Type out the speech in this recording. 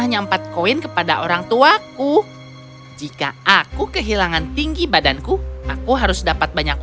hanya empat koin kepada orangtuaku jika aku kehilangan tinggi badanku aku harus dapat banyak